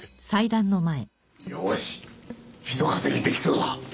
よしひと稼ぎ出来そうだ！